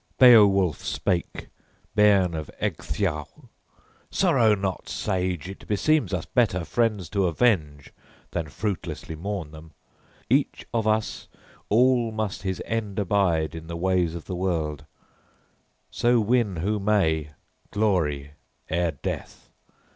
XXI BEOWULF spake, bairn of Ecgtheow: "Sorrow not, sage! It beseems us better friends to avenge than fruitlessly mourn them. Each of us all must his end abide in the ways of the world; so win who may glory ere death!